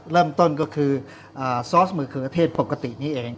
เริ่มต้นก็คือซอสมะเขือเทศปกตินี้เอง